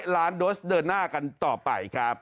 ล้านโดสเดินหน้ากันต่อไปครับ